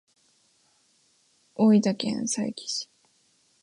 大分県佐伯市